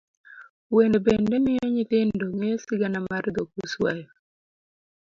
Wende bende miyo nyithindo ng'eyo sigana mar dhok oswayo.